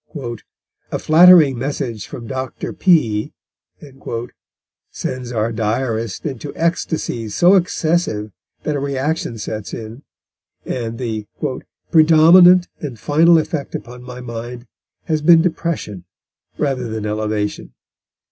"A flattering message from Dr. P " sends our Diarist into ecstasies so excessive that a reaction sets in, and the "predominant and final effect upon my mind has been depression rather than elevation."